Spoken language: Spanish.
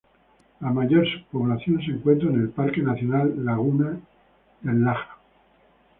La mayor sub-población se encuentra en el Parque Nacional Laguna del Laja.